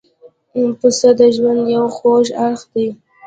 پسه د ژوند یو خوږ اړخ دی.